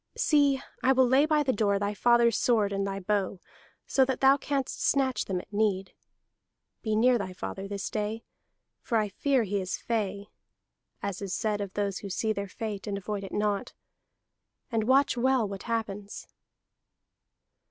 See, I will lay by the door thy father's sword and thy bow, so that thou canst snatch them at need. Be near thy father this day, for I fear he is 'fey' [as is said of those who see their fate and avoid it not], and watch well what happens."